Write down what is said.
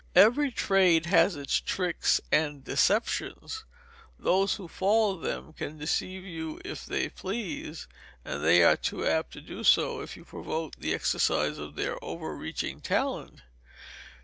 Every trade has its tricks and deceptions; those who follow them can deceive you if they please, and they are too apt to do so if you provoke the exercise of their over reaching talent.